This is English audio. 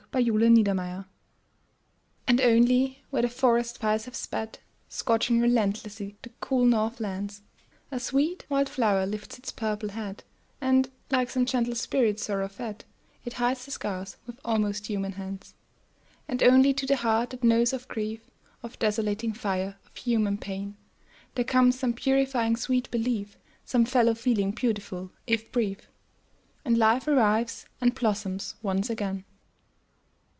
FIRE FLOWERS And only where the forest fires have sped, Scorching relentlessly the cool north lands, A sweet wild flower lifts its purple head, And, like some gentle spirit sorrow fed, It hides the scars with almost human hands. And only to the heart that knows of grief, Of desolating fire, of human pain, There comes some purifying sweet belief, Some fellow feeling beautiful, if brief. And life revives, and blossoms once again.